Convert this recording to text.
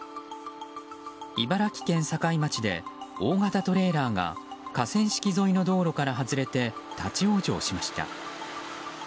茨城県境町で大型トレーラーが河川敷沿いの道路から外れて立ち往生しました。